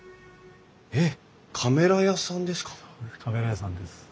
えっカメラ屋さんですか？